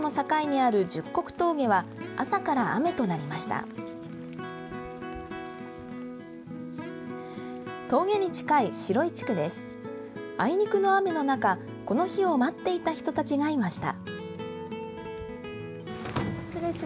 あいにくの雨の中、この日を待っていた人たちがいました。